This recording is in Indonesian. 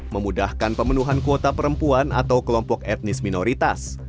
memudahkan pemenuhan kuota perempuan atau kelompok etnis minoritas